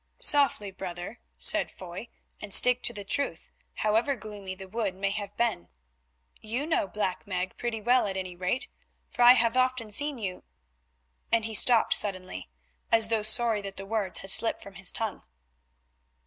"Softly, brother," said Foy, "and stick to the truth, however gloomy the wood may have been. You know Black Meg pretty well at any rate, for I have often seen you—" and he stopped suddenly, as though sorry that the words had slipped from his tongue.